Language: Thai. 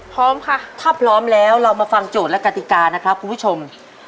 พร้อมค่ะถ้าพร้อมแล้วเรามาฟังโจทย์และกติกานะครับคุณผู้ชม